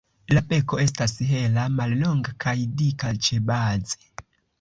La beko estas hela, mallonga kaj dika ĉebaze.